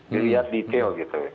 melihat detail gitu